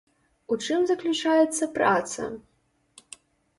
У чым заключаецца праца?